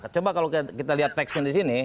coba kalau kita lihat teksnya di sini